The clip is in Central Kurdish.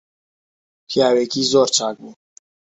پیاوێکی زۆر چاک بوو